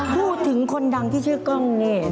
พูดถึงคนดังที่ชื่อกล้องนี่